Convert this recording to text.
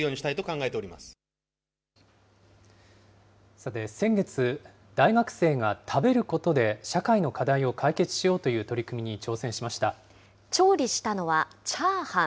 さて、先月、大学生が食べることで社会の課題を解決しようという取り組みに挑調理したのは、チャーハン。